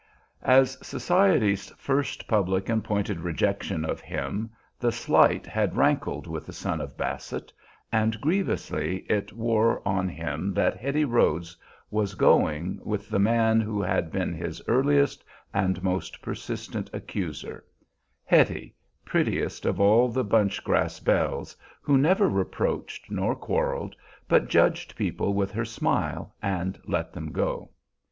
As society's first public and pointed rejection of him the slight had rankled with the son of Basset, and grievously it wore on him that Hetty Rhodes was going, with the man who had been his earliest and most persistent accuser: Hetty, prettiest of all the bunch grass belles, who never reproached nor quarreled, but judged people with her smile and let them go.